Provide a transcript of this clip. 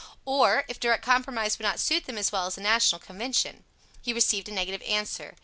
Or if direct compromise would not suit them as well as a National convention. He received a negative answer.